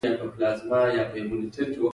قدرت تل په خوځښت کې وي.